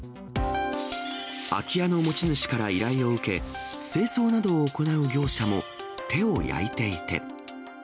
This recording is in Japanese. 空き家の持ち主から依頼を受け、清掃などを行う業者も手を焼いていて。